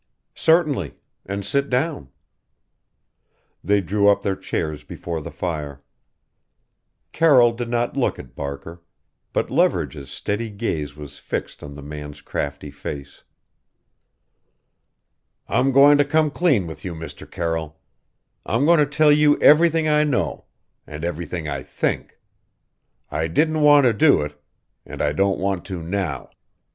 "Certainly. And sit down." They drew up their chairs before the fire. Carroll did not look at Barker, but Leverage's steady gaze was fixed on the man's crafty face. "I'm going to come clean with you, Mr. Carroll. I'm going to tell you everythin' I know and everythin' I think. I didn't want to do it and I don't want to now.